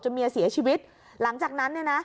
เมียเสียชีวิตหลังจากนั้นเนี่ยนะ